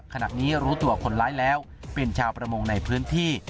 ขณะนี้รู้ตัวคนร้ายแล้วเป็นชาวประมงในพื้นที่